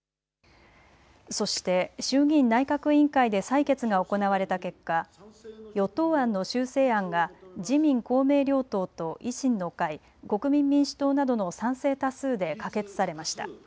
そして衆議院内閣委員会で採決が行われた結果、与党案の修正案が自民公明両党と維新の会、国民民主党などの賛成多数で可決されました。